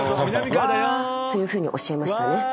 「わ」というふうにおっしゃいましたね。